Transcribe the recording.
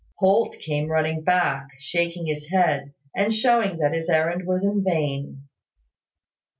Holt came running back, shaking his head, and showing that his errand was in vain.